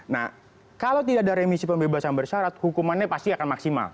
nah kalau tidak ada remisi pembebasan bersyarat hukumannya pasti akan maksimal